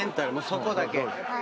そこだけ。